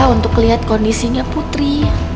untuk lihat kondisinya putri